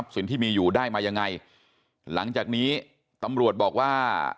สิ่งที่มีอยู่ได้มายังไงหลังจากนี้ตำรวจบอกว่า